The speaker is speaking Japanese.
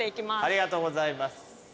ありがとうございます。